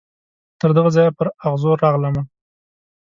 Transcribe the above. تر دغه ځایه پر اغزو راغلمه